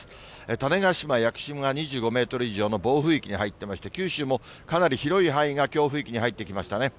種子島・屋久島が２５メートル以上の暴風域に入ってまして、九州もかなり広い範囲が強風域に入ってきましたね。